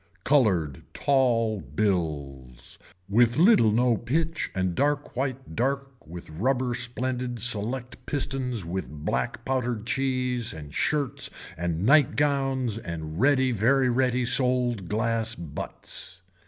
Colored tall bills with little no pitch and dark white dark with rubber splendid select pistons with black powdered cheese and shirts and night gowns and ready very ready sold glass butts.